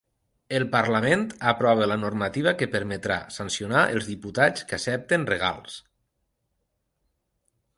El parlament aprova la normativa que permetrà sancionar els diputats que acceptin regals